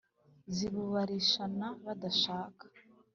zibubarishana badashaka